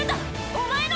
お前の。